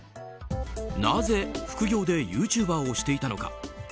なぜ副業でユーチューバーをしていたのか。